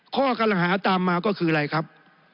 ข้อกำลังหาตามมาก็คืออะไรครับ